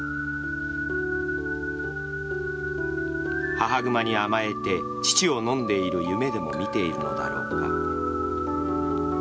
母熊に甘えて乳を飲んでいる夢でも見ているのだろうか。